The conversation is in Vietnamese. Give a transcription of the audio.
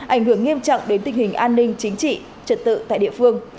ảnh hưởng nghiêm trọng đến tình hình an ninh chính trị trật tự tại địa phương